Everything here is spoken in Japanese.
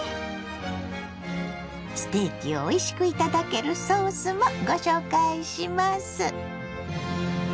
ステーキをおいしく頂けるソースもご紹介します。